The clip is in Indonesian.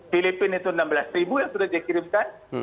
filipina itu enam belas ribu yang sudah dikirimkan